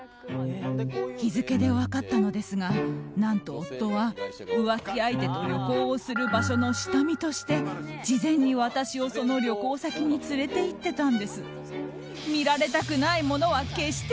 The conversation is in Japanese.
日付で分かったのですが何と夫は浮気相手と旅行をする場所の下見として事前に私を、その旅行先に連れて行っていたんです。